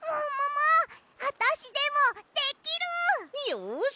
よし。